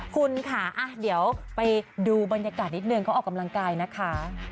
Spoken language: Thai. คุณค่ะเดี๋ยวไปดูบรรยากาศนิดนึงเขาออกกำลังกายนะคะ